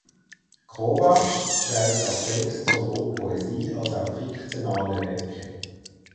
Kovacs schreibt auch selbst sowohl Poesie als auch fiktionale Werke.